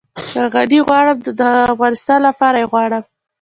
که غني غواړم نو د افغانستان لپاره يې غواړم.